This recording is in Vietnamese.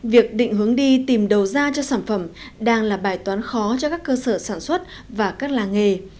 việc định hướng đi tìm đầu ra cho sản phẩm đang là bài toán khó cho các cơ sở sản xuất và các làng nghề